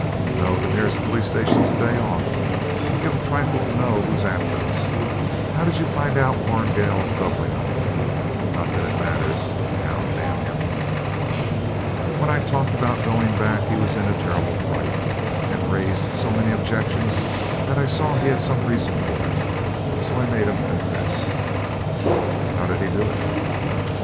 'No; the nearest police station's a day off. I'd give a trifle to know who's after us. How did you find out Warrigal's doubling on me? not that it matters now; d n him!' 'When I talked about going back he was in a terrible fright, and raised so many objections that I saw he had some reason for it; so I made him confess.' 'How did he do it?'